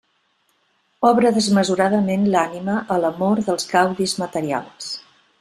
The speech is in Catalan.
Obre desmesuradament l'ànima a l'amor dels gaudis materials.